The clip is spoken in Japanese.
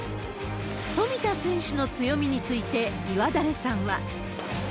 冨田選手の強みについて、岩垂さんは。